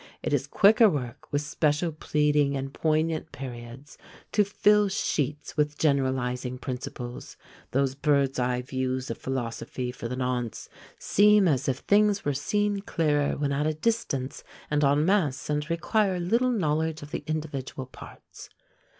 It is quicker work, with special pleading and poignant periods, to fill sheets with generalising principles; those bird's eye views of philosophy for the nonce seem as if things were seen clearer when at a distance and en masse, and require little knowledge of the individual parts.